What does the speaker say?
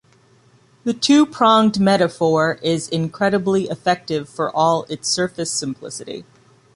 The two-pronged metaphor is incredibly effective for all its surface simplicity.